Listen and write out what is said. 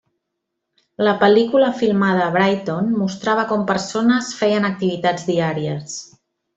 La pel·lícula filmada a Brighton, mostrava com persones feien activitats diàries.